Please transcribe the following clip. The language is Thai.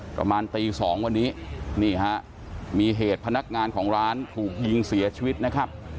ประมาณตี๒วันนี้นี่ฮะมีเหตุพนักงานของร้านถูกยิงเสียชีวิตนะครับ